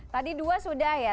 tadi dua sudah ya